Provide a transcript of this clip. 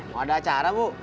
mau ada acara bu